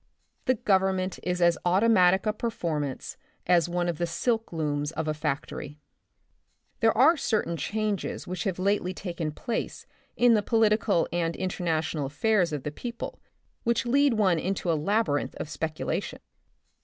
The government is as automatic a performance as one of the silk looms of a factory. There are certain changes which have lately taken place in the political and international affairs of the people which lead one into a labyrinth of speculation.